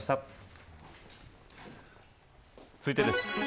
続いてです。